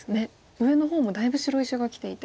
上の方もだいぶ白石がきていて。